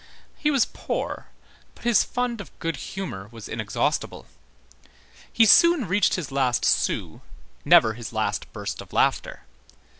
He was poor, but his fund of good humor was inexhaustible. He soon reached his last sou, never his last burst of laughter.